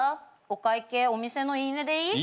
お会計お店の言い値でいい？